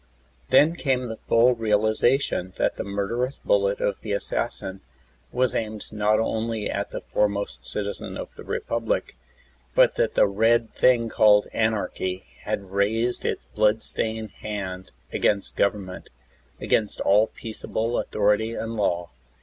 Then came the full realization that the murderous bullet of the assassin was aimed not only at the foremost citizen of the Republic, but that the Red Thing called Anarchy had raised Its blood stained hand against govern ment, against all peaceable authority and law.